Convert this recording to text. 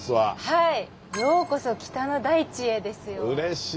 はい。